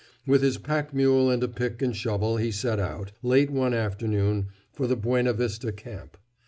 With his pack mule and a pick and shovel he set out, late one afternoon, for the Buenavista Camp.